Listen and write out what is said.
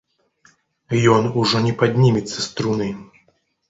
Ён ужо не паднімецца з труны.